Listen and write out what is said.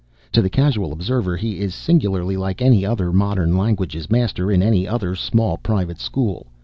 To the casual observer he is singularly like any other Modern Languages Master in any other small private school.